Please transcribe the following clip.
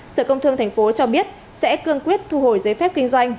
sở công thương tp cho biết sẽ cương quyết thu hồi giấy phép kinh doanh